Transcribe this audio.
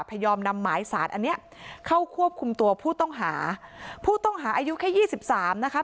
พยายามนำหมายสารอันเนี้ยเข้าควบคุมตัวผู้ต้องหาผู้ต้องหาอายุแค่ยี่สิบสามนะคะ